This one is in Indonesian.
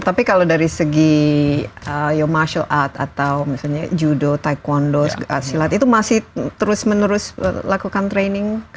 tapi kalau dari segi your martial art atau misalnya judo taekwondo silat itu masih terus menerus lakukan training